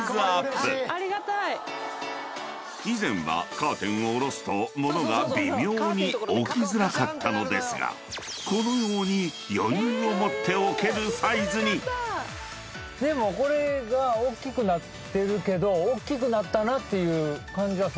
［以前はカーテンを下ろすと物が微妙に置きづらかったのですがこのように余裕を持って置けるサイズに］でもこれがおっきくなってるけど。